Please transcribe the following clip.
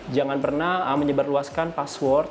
jangan pernah menyebarluaskan password